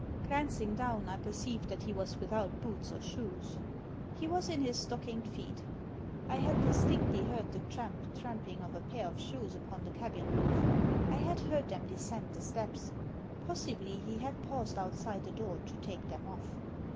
Glancing down, I per ceived that he was without boots or shoes. He was in his stockinged feet I had distinctly heard the tramp, tramping of a pair of shoes upon the cabin roof. I had heard them descend the steps. Possibly he had paused outside the door to take them off.